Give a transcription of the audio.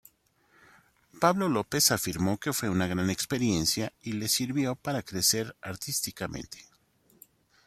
Pablo López afirmó que fue una gran experiencia y le sirvió para crecer artísticamente.